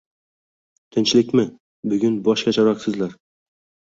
– Tinchlikmi? Bugun boshqacharoqsizlar.